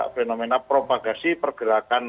fenomena propagasi pergerakan